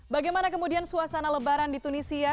bagaimana kemudian suasana lebaran di tunisia